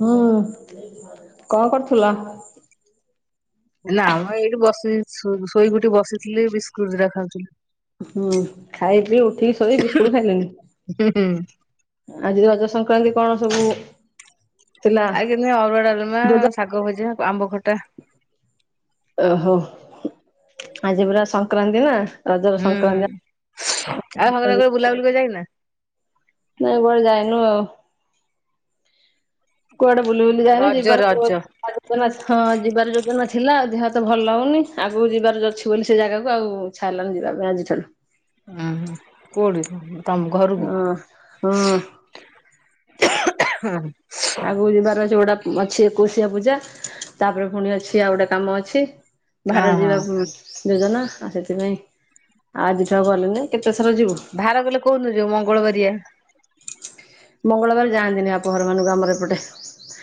ହୁଁ କଣ କରୁଥିଲ? ନା ମ ଏଇଠି ବସି, ଶୋଇ କି ଉଠି ବସିଥିଲି ବିସ୍କୁଟ ଦି ଟା ଖାଉଥିଲି। ହୁଁ, ଖାଇ ପିଇ ଉଠିକି ଶୋଇ ବିସ୍କୁଟ ଖାଇଲେଣିି। ହୁଁ ହୁଁ ଆଜି ରଜ ସଂକ୍ରାନ୍ତି କଣ ସବୁ ଥିଲା ଆଉ କିଛିନାଇଁ ଅରୁଆ, ଡାଲମା, ଯୋଜ ଶାଗ ଭଜା, ଆମ୍ବ ଖଟା। ଓହୋ ଆଜି ପୁରା ସଂକ୍ରାନ୍ତି ନା। ରଜର ହୁଁ ସଂକ୍ରାନ୍ତି [unintelligible] ବୁଲା ବୁଲି କରି ଯାଇନା? ନାଇଁ କୁଆଡେ ଜାଇନୁ ଆଉ। କୁଆଡେ ବୁଲି ବୁଲି ଯାଇନୁ ରଜ ଯିବାର କୁ ରଜ। [unintelligible] ହଁ ଯିବାର ଯୋଉ ଦିନ ଥିଲା, ଦେହ ତ ଭଲ ହଉନି, ଆଗକୁ ଯିବାର ଅଛି ବୋଲି ସେ ଜାଗାକୁ ଆଉ। [unintelligible] ଉଁ କୋଉଠି ତମ ଘରକୁ? ହଁ ହଁ। [inaudible] ଆଗକୁ ଯିବାର ଅଛି ଗୋଟା ଅଛି ଏକୋଇଶିଆ ପୂଜା, ତା ପରେ ପୁଣି ଅଛି ଆଉ ଗୋଟେ କାମ ଅଛି। [inaudible] ଭାର ଓହୋ ଯିବାକୁ ଯୋଜନା, ଆଉ ସେଥିପାଇଁ ଆଜି ତ ଗଲେନି କେତେଥର ଯିବୁ। ଭାର ଗଲେ କୋଉ ଦିନ ଯିବ ମଙ୍ଗଳ ବାରିଆ। ମଙ୍ଗଳ ବାର ଯାଆନ୍ତି ନି ବାପ ଘର ମାନଙ୍କୁ ଆମର ଏପଟେ।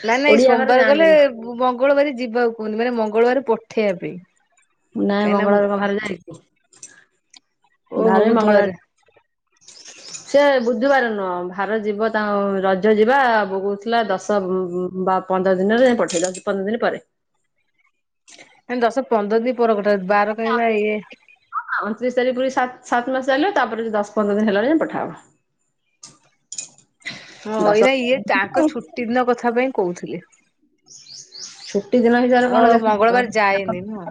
ନାଇଁ ନାଇଁ ଓଡିଆ ଘରେ ସୋମବାର ଗଲେ, ଯାଆନ୍ତିନି ମଙ୍ଗଳବାର ଯିବାକୁ କହୁନି ମାନେ ମଙ୍ଗଳବାର ପଠେଇବା ପାଇଁ। ନାଇଁ କାହିଁକିନା ମଙ୍ଗଳବାର କଣ ଭାର ଯାଏ? ନା ଓହୋ ରେ ମଙ୍ଗଳ ବୁଧବାର ବାର ସେ ବୁଧୁ ବାର ନୁହେଁ, ଭାର ଯିବ ତାଙ୍କୁ ରଜ ଯିବା ବହୁ ଥିଲା ଦଶ ବା ପନ୍ଦର ଦିନରେ ପଠେଇ ଦଉଛି ପନ୍ଦର ଦିନ ପରେ। ନାଇ ଦଶ ପନ୍ଦର ଦିନ ପର କଥା, ବାର କାହିଁକି ନା ଇଏ। ହଁ, ଅଣତିରିଶ ତାରିଖ ପୁରି ସାତ ସାତ ମାସ ହେଲେ, ତାପରେ ଦଶ ପନ୍ଦର ଦିନ ହେଲାଣି ଜାଇ ପଠା ହବ। [inaudible] ହଁ, ଦଶ ହଇନା ଇଏ ତାଙ୍କ ଛୁଟି ଦିନ କଥା ପାଇଁ କହୁଥିଲେ। [unintelligible] ଛୁଟି ଦିନ ଭିତରେ ଓ କଣ [unintelligible] ଦେଖି ମଙ୍ଗଳବାର ଯାଏନି ନୁହଁ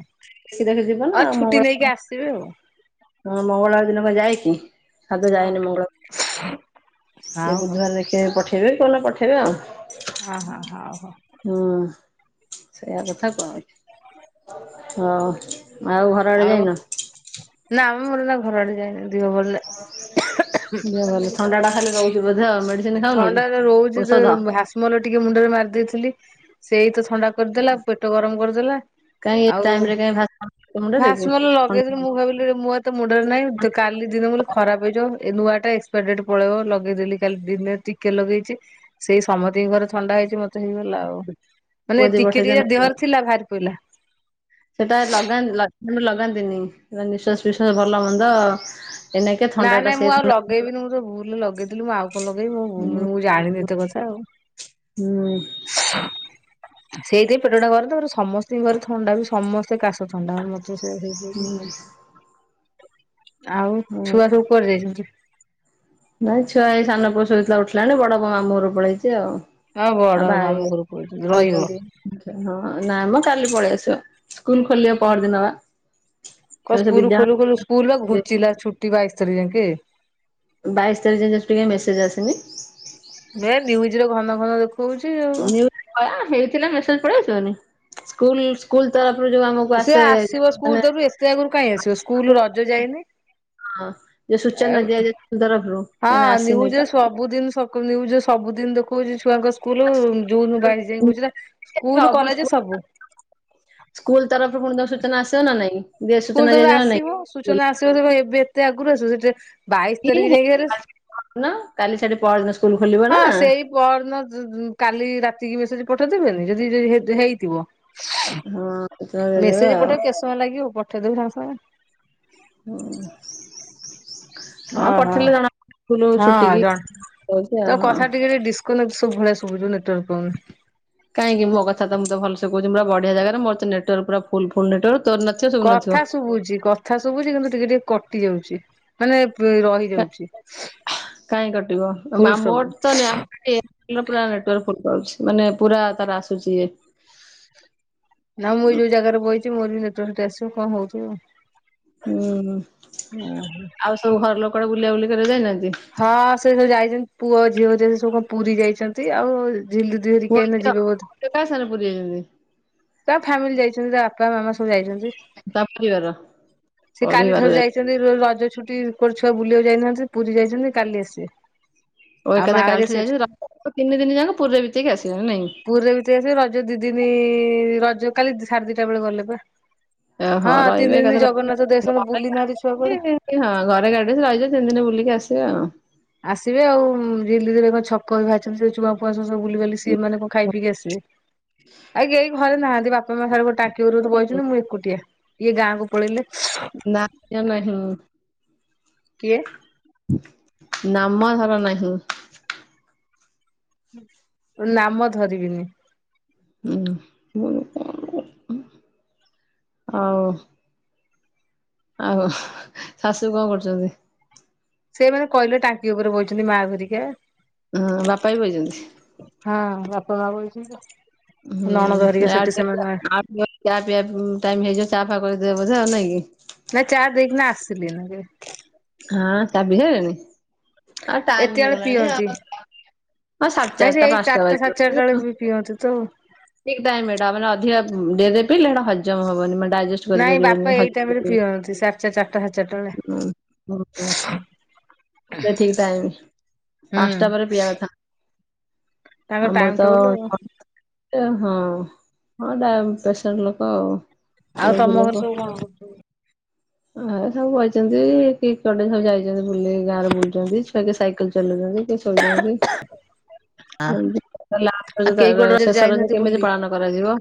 ଦେଖି ଯିବ ନା ଆଉ ଛୁଟି ନେଇକି ମଙ୍ଗଳବାର ଆସିବେ ଆଉ। ହଁ ମଙ୍ଗଳବାର ଦିନ କଣ ଯାଏକି? ଆଦୌ ଯାଏନି ମଙ୍ଗଳବାର, ଏ ହଉ ହଉ ବୁଧବାର ଦେଖିବା ପଠେଇବେ, କୋଉ ଦିନ ପଠେଇବେ ଆଉ। ହ, ହ, ହଉ, ହଉ। ହୁଁ, ସେଇୟା କଥା କୁହା ହଉଛି, ହଁ। ଆଉ ଘର ଆଡେ ଯାଇନ। ନା ମୁଁ ଏଇନା ଘର ଆଡେ ଯାଇନି। ଦିହ ଭଲ ନାହିଁ [inaudible] ଦେହ ଭଲ, ଥଣ୍ଡା ଟା ଖାଲି ରହୁଛି ବୋଧେ, ମେଡିସିନ ଖାଉନୁ କି ଔଷଧ? ମୋର ଟିକେ ମୁଣ୍ଡରେ ମାରି ଦେଇଥିଲି, ସେଇ ତ ଥଣ୍ଡା କରିଦେଲା, ପେଟ ଗରମ କରିଦେଲା। କାଇଁ ଏ ଟାଇମ ରେ କାଇଁ ଭା ଭାଶ୍ମଲ ଲଗେଇଥିଲି ମୁଁ ଭାବିଲି ମୁଁ ମୁଣ୍ଡରେ ନାହିଁ ତ କାଲି ଦିନ ବୋଲି ଖରାପ ହେଇଯିବ, ଏ ନୂଆ ଟା ଏକ୍ସପାୟାର ଡେଟ୍ ପଳେଇବ, ଲଗେଇ ଦେଲି କାଲି ଦିନ ରେ ଟିକେ ଟିକେ ଲଗେଇଛି ସେଇ ସମତିଙ୍କର ଥଣ୍ଡା ହେଇଛି ମତେ ହେଇଗଲା ଆଉ। ପୁଅ ମାନେ ଯଦି ଟିକେ ପଠେଇଛ ନା ଟିକେ ଦେହ ରେ ଥିଲା ବାହାରି ପଡିଲା। ସେଟା ଲଗା ଲ ଲଗାନ୍ତିନି ନିଶ୍ଵାସ ଫଶ୍ଵାସ ଭଲ ମନ୍ଦ ଏଇନାକେ ଥଣ୍ଡା ନାଇଁ ଟା ନାଇଁ ସେ ମୁଁ ଆଉ ଥଣ୍ଡା ଲଗେଇବିନି, ମୁଁ ତ ଭୁଲ ଲଗେଇଥିଲି, ମୁଁ ଆଉ କଣ ଲଗେଇବି ମୁଁ ଜାଣିନି ଏତେ କଥା ଆଉ। ହୁଁ, ଉ। ସୁଁ, ଉ ସେଇଥି ପେଟ ଟା ଘରେ ତମର ସମସ୍ତଙ୍କ ଘରେ ଥଣ୍ଡା ବି ସମସ୍ତେ ସେ କାଶ ଥଣ୍ଡା ମଧ୍ୟ ସେ ହେଇଯାଉନି ହୁଁ ଆଉ। ଛୁଆ ହୁଁ ସବୁ କରି ଯାଇଛନ୍ତି। ନାଇଁ ଛୁଆ ଏଇ ସାନ ପୁଅ ସୋଇଥିଲା ଉଠିଲାଣି, ବଡ ମାମୁଁ ଘରକୁ ପଳେଇଛି ଆଉ। ହଁ ବଡ ମାମୁ ଘର କହୁଛନ୍ତି ରହିବ। ଆଛା ହଁ ନାଇଁ ମ କାଲି ପଳେଇ ଆସିବା ସ୍କୁଲ ଖୋଲିବ ପହର ଦିନ ବା। କଣ ଏବେ ସେ ସ୍କୁଲ ବିଦ୍ୟାଳୟ ଖୋଲୁ ଖୋଲୁ ସ୍କୁଲ ବା ଘୁଞ୍ଚିଲା ଛୁଟି ବାଇଶ ତାରିଖ ଯାକେ। ବାଇଶ ତାରିଖ ଜାକେ ଛୁଟି କାଇଁ ମେସଜ ଆସନି। ଏ ନ୍ୟୁଜ ର ଘନ ଘନ ଦେଖୁ ଉଛି ୟେ ହଁ ହେଇଥିଲେ ମେସେଜ ପଳେଇ ଆସିବନି, ସ୍ଲଲ ସ୍କୁଲ ତରଫରୁ ଯୋଉ ଆମକୁ ସେ ଆସେ ଆସିବ ମାନେ ସ୍କୁଲ ତରଫରୁ ଏତେ ଆଗରୁ କାଇଁ ଆସିବ ସ୍କୁଲ ରଜ ଯାଇନେଇଁ। ହଁ ଯୋଉ ସୂଚନା ଦିଆଯାଉ ତରଫରୁ ହଁ ଆସିନି ନ୍ୟୁଜରେ ତ। ସବୁଦିନ ସବ ଜ ସବୁ ଦିନ ଦେଖଉଛି ଛୁଆଙ୍କ ସ୍କୁଲ ଜୁନ ବାଇଶ ଯାଇ ଘୁଞ୍ଚିଲା ସ୍କୁଲ କଲେଜ ସବୁ। ସ୍କୁଲ ତରଫରୁ ପୁଣି ତ ସୂଚନା ଆସିବ ନା ନାଇଁ, ସ୍କୁଲ ତ ସୂଚନା ପୁରା ଦିଆଯିବ ନାଇଁ? ଆସିବ ସୂଚନା ଆସିବ ଏବେ ଏତେ ଆଗରୁ ଆସିବ, ସେଠେ ବାଇଶ ତାରିଖ ଯାଇକି ନା କାଲି ଛାଡ଼ି ପହରଦିନ। ହଁ ସେଇ ପହର ଦିନ କାଲି ରାତିକି ମେସେଜ ପଠେଇଦେବେନି ଯଦି ଯ ହେଇଥିବ। ହଁ ସୂଚନା ମେସେଜ ଦେଇଦେବେ ଆଉ ପଠେଇବ କେତେ ସମୟ ଲାଗିବ ପଠେଇଦେବେ ସାଙ୍ଗେ ସାଙ୍ଗେ। ହୁଁ। ହଁ ଓହୋ ପଠେଇଲେ ଜଣା ସ୍କୁଲ ଛୁଟି ହଁ କି ଆଉ ହଁ। [unintelligible] ଶୁଭୁଚି ନେଟୱର୍କ ପାଉନି। କାହିଁକି ମୋ କଥା ତ ମତେ ଭଲସେ କହୁଛି ପୁରା ବଢିଆ ଜାଗାରେ, ମୋର୍ ତ୍ ନେଟୱର୍କ ପୁରା ଫୁଲ ଫୁଲ ନେଟୱର୍କ, ତୋର ନଥି କଥା ଶୁଭୁଛି, କଥା ଶୁଭୁଛି କିନ୍ତୁ ଟିକେ ଟିକେ କଟି ଯାଉଛି, ମାନେ ରହି କାହିଁ କଟିବ, ଫୁଲ ଷ୍ଟପ ମୋର ତ୍ ନେଟ କେ ପୁରା ନେଟୱର୍କ ଫୁଲ ପା, ମାନେ ପୁରା ତାର ଆସୁଛି ଇଏ। ନା ମୁଁ ଯୋଉ ଜାଗାରେ ବଇଛି ମୋର ବି ନେଟୱର୍କ ସେଠି ଆସିବ କଣ ହଉଥିବ। ହୁଁ ଆଉ ସବୁ ଘର ଲୋକ କୁଆଡେ ବୁଲା ବୁଲି କରିବାକୁ ଯାଇନାହାନ୍ତି? ହଁ ସେ ସବୁ ଯାଇଛନ୍ତି ପୁଅ ଝିଅ କୁ ଧରି ସବୁ କଣ ପୁରୀ ଯାଇଛନ୍ତି, ଆଉ ଝିଲ ଦିଦି ପୁଅ ହେରିକା ଏଇନା ଝିଅ ଯିବେ ବୋଧେ। କା ସାଙ୍ଗରେ ପୁରୀ ଯାଇଛନ୍ତି? ତା ଫ୍ୟାମିଲି ଯାଇଛନ୍ତି, ତା ବାପା, ମାମା ସବୁ ଯାଇଛନ୍ତି, ତା ପରିବାର ସେ କାଲି ଠାରୁ ଯାଇ ରଜ ଛୁଟି କୁଆଡେ ଛୁଆ ବୁଲିବାକୁ ଯାଇନାହାନ୍ତି, ପୁରୀ ଯାଇଛନ୍ତି କାଲି ଆସିବେ। ଓ ଆଉ ଏକା ମା ଥରେ ହେରିକା କାଲିଠୁ ସେଠି ଯାଇଛନ୍ତି ରଜ ତିନି ଦିନ ଯାକ ପୁରୀରେ ବିତେଇକି ଆସିବେ ନାଇଁ? ଆସିବ ରଜ ଦି ଦିନି ରଜ କାଲି ସାଢେ ଦିଟା ବେଳେ ଗଲେ ବା। ଓହୋ ହଁ ରହିବେ ତିନି ଦିନ ଏକାଥରେ ଜଗନ୍ନାଥ ଦର୍ଶନ ବୁଲି ନାହାନ୍ତି ଛୁଆ କୁଆଡେ। ହଁ ଘରେ ଗାଡ ରହିଛେ ତିନି ଦିନ ବୁଲିକି ଆସିବେ ଆଉ। ଆସିବେ ଆଉ ଝିଲ ଦିଦି କଣ ଛକ ବି ବାହରିଛନ୍ତୀ ସେ ଛୁଆ ଫୁଆ ସବୁ ବୁଲି ବାଲି ସିଏମାନେ କଣ ଖାଇ ପିକି ଆସିବେ। ଆ କେହି ଘରେ ନାହାନ୍ତି ବାପା ମା ସାଡେ ଟାଙ୍କି ଉପରେ ବଇଛନ୍ତି ମୁଁ ଏକୁଟିଆ। ଇଏ ଗାଁ କୁ ପଳେଇଲେ। ନା ନାହିଁ। କିଏ? ନାମ ଧର ନାହିଁ। ନାମ ଧରିବିନି। ହୁଁ ଆଉ ଆଉ ଶାଶୁ କଣ କରୁଛନ୍ତି? ସେମାନେ କହିଲେ ଟାଙ୍କି ଉପରେ ବହୁଛନ୍ତି ମା ଘରିକା। ହୁଁ ବାପା ବି ବଇଛନ୍ତି? ହଁ ବାପା ମା ବଇଛନ୍ତି, ନଣନ୍ଦ ହୁଁ ହେରିକା ଆଉ ସେଠି ସେମାନେ ଚା ପିଆ ଟାଇମ୍ ହେଇଯିବ ଚା ଫା କରି ଦେବେ ବୋଧେ ଆଉ ନାଇଁ କି? ନା ଚା ଦେଇକିନା ଆସିଲି ମୁଁ ଯେ। ହାଁ ଚା ପିଇଲେଣି ଆଉ ଟାଇମ୍ ଏତେ ବେଳେ ହେଇଗଲାଣି ପିଅନ୍ତି ଆଉ। ହଁ ସାଡେ ନାଇଁ ସେ ଚାରିଟା ଏଇ ପାଞ୍ଚଟା ସାଢେ ଚାରିଟା ବେଳେ ବାଜିଲାଣି ପି ପିଅନ୍ତି ତ। ଠିକ୍ ଟାଇମ୍ ଏଟା ମାନେ ଅଧିକା ଉଁ, ଡେରିରେ ପିଇଲେ ହେଟା ହଜମ ହବନି। ମାନେ ଡ଼ାଇଜେଷ ଛି ନାଇଁ ବାପା କରିପାରିବେନି ହ ଏଇ ଟାଇମ ରେ ପିଅନ୍ତି ସାଢେ ଚାରିଟା ଚାରିଟା ସାଢେ ଚାରିଟା ବେଳେ [inaudible] ସେ ଠିକ ଟାଇମ୍ ହୁଁ। ପାନ୍ସଟା ପରେ ପିଇବା କଥା। ତାଙ୍କ ଟାଇମ ଆମର ତ ଟେବୁଲ ଆଉ [inaudible] ଏ ହଁ ହଁ ଡ଼ା ପେସେଣ୍ଟ ଲୋକ। ଆଉ ତମ ରୋଗୀ ଘରେ ଲୋକ। ସବୁ କଣ କରୁଛନ୍ତି? ଏ ସବୁ ବଇଚନ୍ତି, କିଏ କୁଆଡେ ସବୁ ଯାଇଚନ୍ତି ବୁଲି। ଗାଁରେ ବୁଲୁଚନ୍ତି। ଛୁଆ କେ ସାଇକଲ ଚଲଉଇନ୍ତି। କି ଖେଳୁଚନ୍ତି। ଆଉ ଏମିତି ତାହାଲେ ଆମେ ଯେ କେହି ତାର, କୁଆଡେ ରଜରେ ଶେଷ ରଜ ଯାଇନାହାନ୍ତି କେମିତି ବୁଲି ପାଳନ କରାଯିବ?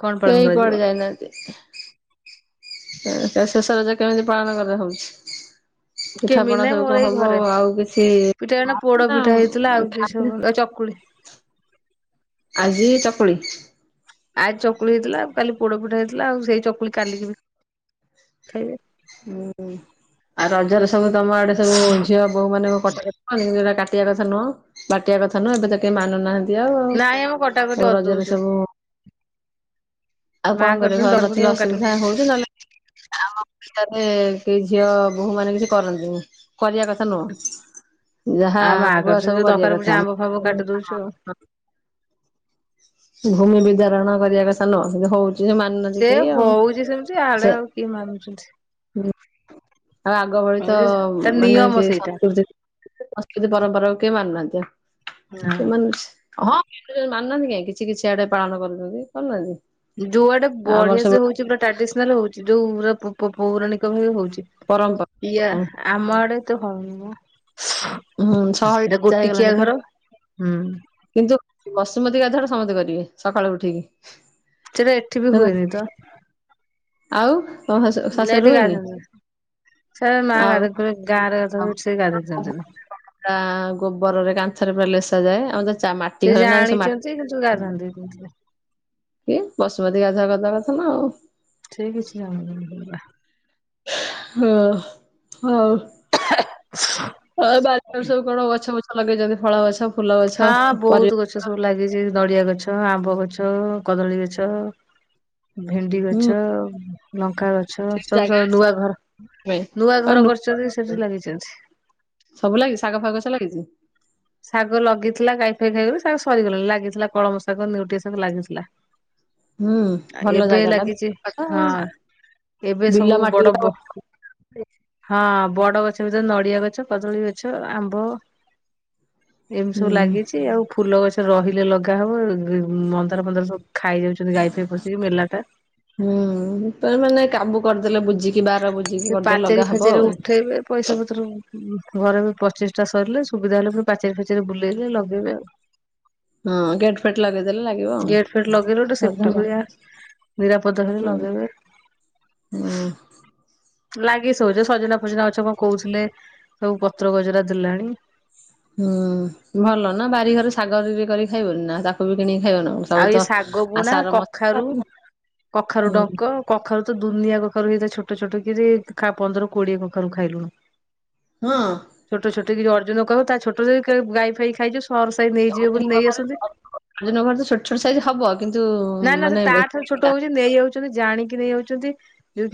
କଣ ପାଳନ କେଇ କରାଯିବ? କୁଆଡେ ଯାଇନାହାନ୍ତି? ଏଁ, ଶେ ଶେଷ ରଜ କେମିତି ପାଳନ କରା ହଉଛି? କେମିତି ପିଠାପଣା ନାଇ। ସବୁ କଣ ମୋର ଏଇ ଘରେ, ହବ ଆଉ କିଛି ପିଠା ଏଇନା ପୋଡ ନା ପିଠା ହେଇଥିଲା। ଆଉ କି ଖାଇ ସବୁ ଆଉ ଚକୁଳି। ଆଜି ଚକୁଳି। ଆ, ଚକୁଳି ହେଇଥିଲା। କାଲି ପୋଡ ପିଠା ହେଇଥିଲା। ଆଉ ସେଇ ଚକୁଳି କାଲିକି ବି ଖାଇବେ। ହୁଁ। ଆଉ ରଜରେ ସବୁ ତୋମ ଆଡେ ସବୁ ଝିଅ ବୋହୁ ମାନେ କଣ କଟା କଟି [inaudible] ଯୋଉଡା କାଟିବା କଥା ନୁହଁ? ବାଟିବା କଥା ନୁହଁ ଏବେ ତ କେହି ମାନୁନାହାନ୍ତି ଆଉ ନାଇଁ ଆମେ କଟାକଟି ଆଉ। ରଜରେ କରିଦଉଛୁ ସବୁ ଆଉ ମା କଣ କରିବ କରୁଛନ୍ତି ଘରେ ଦରପୋଡି ନଥିଲେ ମୁଁ କାଟି ଅସୁବିଧା ଦଉଛି। ହଉଚୁ। ନହେଲେ ଆମ ପିସ୍ତାରେ କେଇ ଝିଅ ବୋହୂ ମାନେ କିଛି କରନ୍ତିନି। କରିବା କ ଥା ନୁହଁ। ଯାହା ଆଉ ଆଗୁଆ ସବୁ କରିବା କଥା। ମାନେ ଛୁ ଭୂମି ବିଦାରଣ କରିବା କଥା ନୁହଁ। ସେ ତ ହଉ ଚି ସେ ମାନୁନାହାନ୍ତି ସେ କେଇ ଆଉ। ହଉଛି ସେମିତି ଆଡେ ସେ ଆଉ କିଏ ମାନୁଛନ୍ତି। ହୁଁ ଆଉ ଆଗ ଭଳି ତ ତା ମାନେ ନିୟମ କେଇ ସେଇଟା ସଂସ୍କୃତି ସଂସ୍କୃତି ପରମ୍ପରା କିଏ ମାନୁନାହାନ୍ତି ଆଉ। ହଁ ସେମାନେ ସି [inaudible] ମାନୁନାହାନ୍ତି କାଇଁ, କିଛି କିଛି ଆଡେ ପାଳନ କରୁଛନ୍ତି। କରୁନାହାନ୍ତି? ଯୁଆଡ଼େ ଆମର ବଢିଆ ସବୁ ସେ ହଉଛି ପୁରା ଟ୍ରାଡିସ୍ନାଲ୍ ହଉଚି। ଯୋଉ ପୁରା ପ-ପ-ପୌରାଣିକ ଭାବେ ହଉଛି। ପରମ୍ପରା ପିଆ ଆମ ଆଡେ ତ ହଉନି ମୋ। ହୁଁ, ସହରୀ [inaudible] ଚା ହେଇଗଲାଣି ପା। ହୁଁ କିନ୍ତୁ ବସୁମତୀ ଗାଧୁଆଟା ସମତେ କରିବେ ସଖାଳୁ ଉଠିକି। ସେଟା ଏଠି ବି ହେଲା ହୁଏନି ତ। ଆଉ ତୋମ ଶାଶୁ ନା ଶାଶୁ ଘରେ ଏଠି ହୁଏନି? ଗାଧାନ୍ତି ସେ ମା ଆଉ। ଗାଧୋଇ ଗାଁରେ ଗାଧୋଇ ସେ ଗାଧୋଇଛନ୍ତି ତା ଗୋବରରେ କାନ୍ଥରେ ପୁରା ଲେସା ଯାଏ। ଆମ ତ ଚା ମା ସେ ଜାଣିଚନ୍ତି କିନ୍ତୁ ଗାଧାନ୍ତିନି ସିଏ। କି ବସୁମତୀ ଗାଧୁଆ କରଦବା କଥା ନା ଆଉ। ସେ କିଛି ଜାଣି ନାହାନ୍ତି ପୁରା। ହଁ, ହଉ। [inaudible] ହଁ ବାଡି ଟାରେ ସବୁ କଣ ଗଛ ବଛ ଲଗେଇଚନ୍ତି ଫଳ ଗଛ? ଫୁଲ ଗଛ ହଁ ପରିବା ବହୁତୁ ଗଛ ସବୁ ଲାଗିଚି ନଡିଆ ଗଛ, ଆମ୍ବ ଗଛ, କଦଳୀ ଗଛ। ଭେଣ୍ଡି ହୁଁ ଗଛ, ଉ, ଲଙ୍କା ଗ ଛ, ସେ ସବୁ ସ ଜାଗା ନୂଆ ଘର, ପାଇଁ ନୂଆ ଆଉ ଘର ନୁ କରିଛନ୍ତି ସେଠି ଲଗେଇଚନ୍ତି। ସବୁ ଲାଗି ଶାଗ ଫାଗ ଗଛ ଲାଗିଚି? ଶାଗ ଲଗେଇଥିଲା ଗାଇ ଫାଇ ଖାଇଗଲେ। ଶାଗ ସରିଗଲାଣି। ଲାଗିଥିଲା କଳମ ଶାଗ, ନେଉଟିଆ ଶାଗ, ଲାଗିଥିଲା। ହୁଁ, ଭଲ ଏବେ ଜାଗା ଟା ଲାଗିଛି [inaudible] ହଁ ଆଉ। ଏବେ ସବୁ ବିଲ ବଡ ମାଟି ଗୁଡ଼ାକ [inaudible] ହଁ ବଡ଼ ଗଛ ଭିତରେ ନଡ଼ିଆ ଗଛ, କଦଳୀ ଗଛ, ଆମ୍ବ ଏମିତି ସବୁ ହୁଁ ଲାଗିଛି। ଆଉ ଫୁଲ ଗଛ। ସେ ରହିଲେ ଲଗା ହବ, ଉଁ, ମନ୍ଦାର ଫନ୍ଦାର ସବୁ ଖାଇ ଯାଉଛନ୍ତି ଗାଈ ଫାଇ ପଶିକି ମେଲା ଟା। ହୁଁ ତ ମାନେ କାବୁ କରିଦେଲେ ବୁଜିକି ବାର ବୁ ସେ ପାଚେରୀ ଫାଚେରୀ ଉଠେଇବେ। ପଇସା ପତ୍ର ଘରବି ପ୍ରତିଷ୍ଠା ସରିଲେ ସୁବିଧା ହେଲେ ପୁଣି ପାଚେରି ଫାଚେରି ବୁଲେଇଲେ ଲଗେଇବେ ଆଉ। ହଁ ଗେଟ ଫେଟ ଲଗେଇଦେଲେ ଲାଗିବ ଗେଟ୍ ଫେଟ୍ ଲଗେଇଲେ ଗୋଟେ ସେଫ୍ଟି ଆଉ। ଭଳିଆ ନିରାପଦ ରେ ହୁଁ ଲଗେଇବେ। [unintelligible] ଲାଗି ସ ଯୋଉ ସଜନା ଫଜନା ଗଛ କଣ କହୁଥିଲେ ସବୁ ପତ୍ର ଗଜରା ଦେଲାଣି। ହୁଁ ଭଲ ନା ବାରିଘରେ ଶାଗ ବି କରି ଖାଇବନି ନା ତା କୁ ବି କିଣିକି ଖାଇବ ନା ସବୁ ଆଉ ଏଇ ତ ଶାଗ ଆ ବୁଣା ସାର ମସଲା କଖାରୁ କଖାରୁ ଡଙ୍କ ଆଉ କଖାରୁ ତ ଦୁନିଆ କଖାରୁ ହେଇଥାଏ ଛୋଟ ଛୋଟ କିରି ପନ୍ଦର କୋଡ଼ିଏ କଖାରୁ ଖାଇଲୁଣୁ। ହଁ। ଛୋଟ ଛୋଟ କିରି ଅର୍ଜନ କରିବ ତା ଛୋଟ ଗାଈ ଫାଇ ଖାଇ ଜୀବ ସ ମର୍ ସେମଧି ନ ଘର ତ ଛୋଟ ଛୋଟ ସାଇଜ ହବ କିନ୍ତୁ ନା ନା ସେ ମାନେ ତା ଠାରୁ ଛୋଟ ହଁ ହଉଛି ନେଇ ଯାଉଛନ୍ତି ଜାଣିକି ନେଇଯାଉଛନ୍ତି।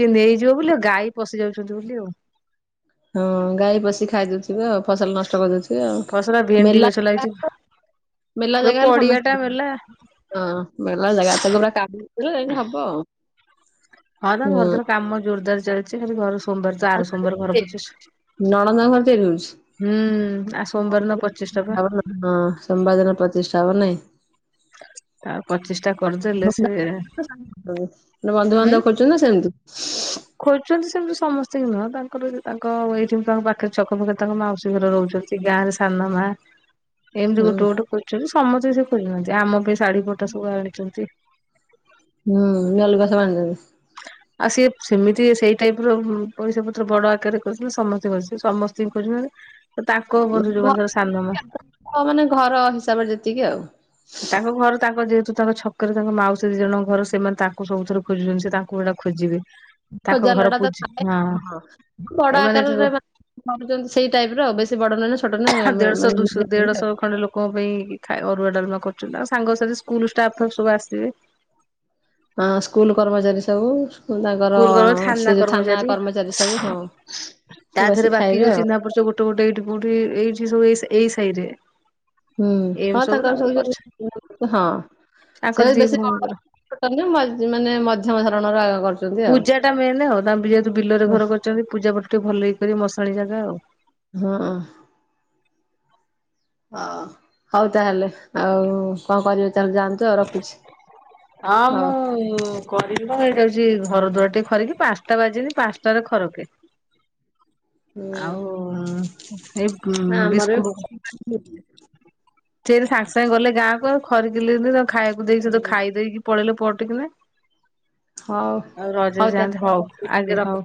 କିଏ ନେଇଯିବ ବୋଲି ଗାଈ ପଶି ଯାଉଛନ୍ତି ବୋଲି ଆଉ। ହଁ ଗାଈ ପଷି ଖାଇଦଉଥିବେ ଆଉ ଫସଲ ନଷ୍ଟ କରିଦଉଥିବେ ଆଉ ଫସଲା ଭେଣ୍ଡି ମେଲା ଗଛ ଲାଗିଛି ମେଲ ପୁରା ଜାଗା ହେଲେ ପଡିଆ ଟା ସମସ୍ତେ ମେଲା। ହଁ ମେଲ ଜାଗା ତାକୁ ଯାହା କାବୁ କରିବ ଯାଇକି ହବ ଆଉ। ହଁ ତା ଘର ଦ୍ୱାର କାମ ଜୋରଦାର ଚାଲିଛି କିନ୍ତୁ ଘର ସୋମବାର ତ ଆର ସୋମବାର ଘର ପ୍ରତିଷ୍ ନଣନ୍ଦ ଘର ତିଆରି କରୁଛି। ହୁଁ ଆଉ ସୋମବାର ଦିନ ପଚିଷ୍ଟା ପା ତାପରେ ହଁ ସୋମବାର ଦିନ ପ୍ରତିଷ୍ଠା ହବ ନାଇଁ? ଆଉ ପ୍ରତିଷ୍ଟା କରିଦେଲେ ସିଏ ହ ଗଟେ ବନ୍ଧୁବାନ୍ଧବ କରୁଛନ୍ତି ନା ସେମିତି? ଖୋଜୁଛନ୍ତି ସେମିତି ସମସ୍ତେ କି ନୁହଁ ତାଙ୍କର ତାଙ୍କ ଏଇଠି ତାଙ୍କ ପାଖରେ ଛକ ପାଖରେ ତାଙ୍କ ମାଉସୀ ଘରେ ରହୁଛନ୍ତି। ସେଇ ଗାଁ ରେ ସାନମାଆ। ଁ [unintelligible] ଏମିତି ଗୋଟେ ଗୋଟେ କରୁଛନ୍ତି ସମସ୍ତେ ସେ କରିନାହାନ୍ତି ଆମ ପାଇଁ ଶାଢ଼ୀ ପଟା ସବୁ ଆଣିଛନ୍ତି। ହୁଁ [unintelligible] ଆଉ ସିଏ ସେମିତି ସେଇ ଟାଇପ୍ ର ପଇସା ପତ୍ର ବଡ଼ ଆକାରରେ କରିଥିଲେ ସମସ୍ତେ [unintelligible] ତ ତାଙ୍କ ବନ୍ଧୁ ଯୋଉ ମାନେ ତାଙ୍କ ସାନମା ହଁ ମାନେ ଘର ହିସାବରେ ଯେତିକି ଆଉ। ତାଙ୍କ ଘର ତାଙ୍କ ଯେହେତୁ ତାଙ୍କ ଛ କରେ ତାଙ୍କ ମାଉସୀ ଦି ଜଣଙ୍କ ଘର ସେମାନେ ତାଙ୍କୁ ସବୁଥୀରେ ଖୋଜୁଛନ୍ତି ସେ ତାଙ୍କୁ ସେଟା ଖୋଜିବେ। ତାଙ୍କ ଖୋଜା ଘର ଲୋଡ଼ା ତ ପୂଜି ଥାଏ ହଁ ବଡ଼ ଏମାନେ ଆକାରରେ କରୁଛନ୍ତି ସେଇ ଟାଇପ୍ ର ଆଉ ବେଶୀ ବଡ଼ ନୁହେଁ ନା ଛୋଟ ନୁହେଁ ନ ଆଉ କ ପାଇଁ ଅରୁଆ ଡ଼ାଲମା କରୁଛନ୍ତି ଆଉ ସାଙ୍ଗସାଥି ସ୍କୁଲ ଷ୍ଟାଫ୍ ଫାପ ସବୁ ଆସିବେ। ହଁ ସ୍କୁଲ କର୍ମଚାରୀ ସବୁ। ହୁଁ ତାଙ୍କର ସ୍କୁଲ କର୍ମଚାରୀ ସେ ଯୋଉ ଥାନା କର୍ମଚାରୀ ସବୁ ହଁ। ସବୁ ଆସି ତାଦିହରେ ବାକି ଖାଇବେ ଯୋଉ ଆଉ ଚିହ୍ନା ପରିଚୟ ଗୋଟେ ଗୋଟେ ଏଇଠି କୋଉଠି ଏଇଠି ସବୁ ଏ ଏଇ ସାହୀ ରେ ହୁଁ ହଁ ତାଙ୍କର ସବୁ ଯୋଉ ହଁ ତାଙ୍କ ସେ ଦି ବେଶୀ ବଡ଼ ଭଉଣୀଙ୍କର। ଛୋଟ ନୁହେଁ ମଜ୍ ମାନେ ମଝିମ ଧରଣର ଆୟୋ କରୁଚ୍ ପୂଜା ଟା ମେନ ଆଉ ତା ଯେହେତୁ ବିଲରେ ହଁ ଘର କରିଛନ୍ତି ପୂଜା ପାଠ ଟିକେ ଭଲକି କରିବେ ଯେହେତୁ ମଶାଣି ଜାଗା ଆଉ। ହଁ। ହ ହଉ ତାହେଲେ ଆଉ କଣ କରିବେ ତାହା ଯାଆନ୍ତୁ। ଆଉ ରଖୁଛି ହଁ ହଉ ମୁଁ କରିବି ମୁ ଏଇଟା ହଉଛି ଘର ଦ୍ୱର ଟିକେ ଖରିକି ପାଞ୍ଚଟା ବାଜିନି ପାଞ୍ଚଟା ରେ ଖରକେ। ହୁଁ ଆଉ ଏ ବିସ୍କୁଟ ହୁଁ। ସେଠ ସାଙ୍ଗେ ସାଙ୍ଗେ ଗଲେ ଗାଁକୁ ଆଉ ଖରିକିିଲି ଦେ ଖାଇବାକୁ ଦେଇକି ତ ହୁଁ ଖାଇ ଦେଇକି ପଳେଇଲେ ପଟ କିନା ହଉ ଆଉ ହଉ ରଜ ଯାନତୁ ହଉ ତାହେଲେ ଆଗ ରଖ ହଉ।